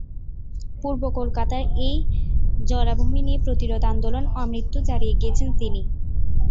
পূর্ব কলকাতার এই জলাভূমি নিয়ে প্রতিরোধ আন্দোলন আমৃত্যু চালিয়ে গিয়েছেন তিনি।